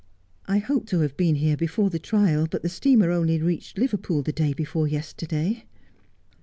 I hoped to have been here before the trial, but the steamer only reached Liverpool the day before yesterday.'